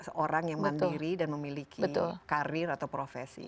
seorang yang mandiri dan memiliki karir atau profesi